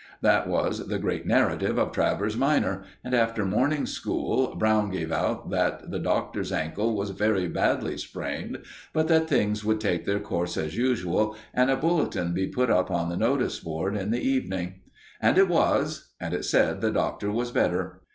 That was the great narrative of Travers minor, and after morning school Brown gave out that the Doctor's ankle was very badly sprained, but that things would take their course as usual, and a bulletin be put up on the notice board in the evening. And it was, and it said the Doctor was better.